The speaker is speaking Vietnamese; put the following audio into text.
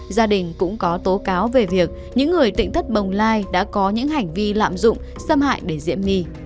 gia đình cũng có tố cáo về việc những người tỉnh thất bồng lai đã có những hành vi lạm dụng xâm hại để diễm my